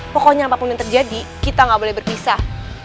pokoknya apapun yang terjadi kita nggak boleh berpisah